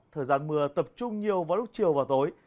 thời gian mưa tập trung nhiều vào lúc chiều và tối